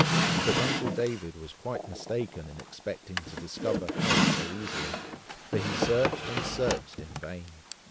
But uncle David was quite mistaken in expecting to discover Harry so easily, for he searched and searched in vain.